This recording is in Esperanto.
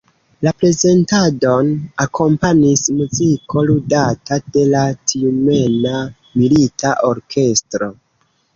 La prezentadon akompanis muziko ludata de la tjumena milita orkestro.